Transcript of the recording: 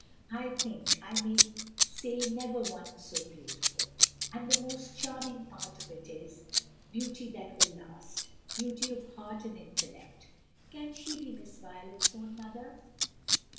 "I think I may say never one so beautiful; and the most charming part of it is beauty that will last; beauty of heart and intellect. Can she be Miss Violet's own mother?